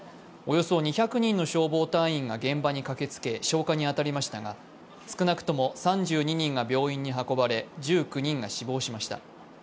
およそ２００人の消防隊員が現場に駆けつけ消火に当たりましたが、少なくとも３２人が病院に運ばれ１９人が死亡しました。